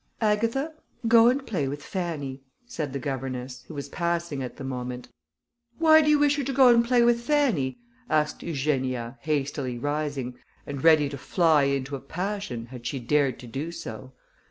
"Agatha, go and play with Fanny," said the governess, who was passing at the moment. "Why do you wish her to go and play with Fanny," asked Eugenia, hastily rising, and ready to fly into a passion, had she dared to do so.